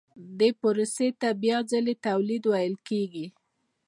دې پروسې ته بیا ځلي تولید ویل کېږي